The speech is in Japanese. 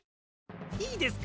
いいですか？